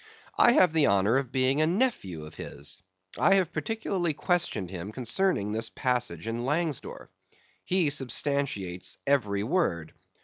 I have the honor of being a nephew of his. I have particularly questioned him concerning this passage in Langsdorff. He substantiates every word.